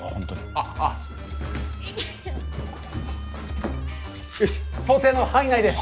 あッあッよし想定の範囲内です